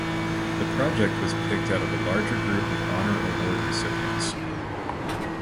The project was picked out of a larger group of Honor Award recipients.